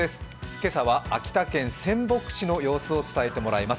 今朝は秋田県仙北市の状況を伝えてもらいます。